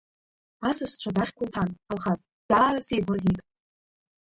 Асасцәа дахьқәа уҭан, Алхас, даара сеигәырӷьеит.